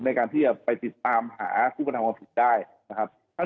ในการที่จะไปติดตามหาผู้กำลังทำอาจไปผิดได้